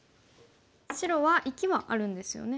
白は生きはあるんですよね。